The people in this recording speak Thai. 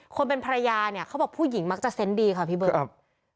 คนเป็นภรรยาเนี่ยเขาบอกผู้หญิงมักจะเซนต์ดีค่ะพี่เบิร์ตครับ